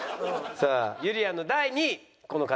さあゆりやんの第２位この方。